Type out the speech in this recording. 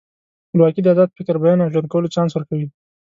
خپلواکي د ازاد فکر، بیان او ژوند کولو چانس ورکوي.